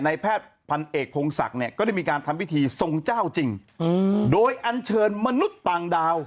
แพทย์พันเอกพงศักดิ์เนี่ยก็ได้มีการทำพิธีทรงเจ้าจริงโดยอันเชิญมนุษย์ต่างดาว